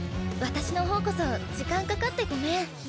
私の方こそ時間かかってごめん。